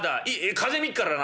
風見っからな。